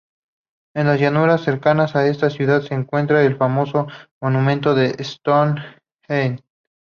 En las llanuras cercanas a esta ciudad se encuentra el famoso monumento de Stonehenge.